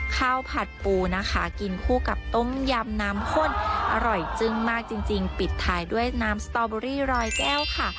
ผัดปูนะคะกินคู่กับต้มยำน้ำข้นอร่อยจึ้งมากจริงปิดท้ายด้วยน้ำสตอเบอรี่รอยแก้วค่ะ